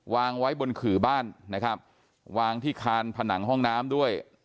วางไว้บนขื่อบ้านนะครับวางที่คานผนังห้องน้ำด้วย